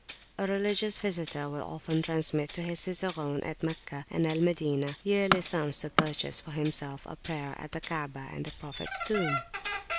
A religious visitor will often transmit to his cicerone at Meccah and at Al Madinah yearly sums to purchase for himself a prayer at the Ka'abah and the Prophet's Tomb.